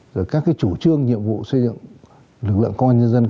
rồi các chủ trương nhiệm vụ xây dựng lực lượng công an dân dân